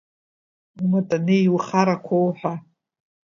Уматанеи, иухарақәоу ҳәа.